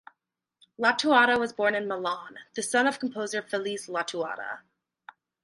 Lattuada was born in Milan, the son of composer Felice Lattuada.